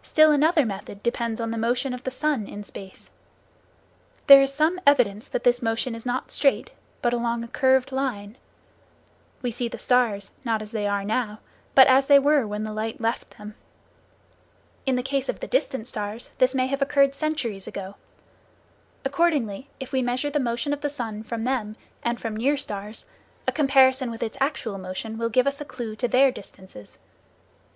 Still another method depends on the motion of the sun in space. There is some evidence that this motion is not straight, but along a curved line. We see the stars, not as they are now, but as they were when the light left them. In the case of the distant stars this may have occurred centuries ago. Accordingly, if we measure the motion of the sun from them, and from near stars, a comparison with its actual motion will give us a clue to their distances.